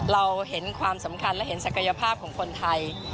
เราเห็นความสำคัญและเห็นศักยภาพของคนไทย